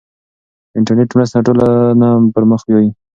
د انټرنیټ مرسته ټولنه پرمخ بیايي.